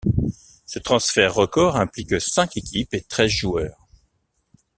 Ce transfert record implique cinq équipes et treize joueurs.